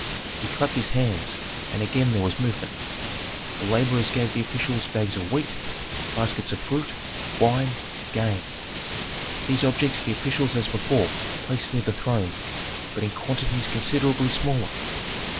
He clapped his hands, and again there was movement. The laborers gave the officials bags of wheat, baskets of fruit, wine, game. These objects the officials as before placed near the throne, but in quantities considerably smaller.